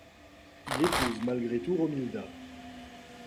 Il épouse, malgré tout, Romilda.